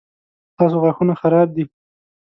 ستاسو غاښونه خراب دي